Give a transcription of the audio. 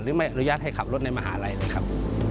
ไม่อนุญาตให้ขับรถในมหาลัยเลยครับ